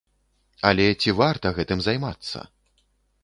Але ці варта гэтым займацца?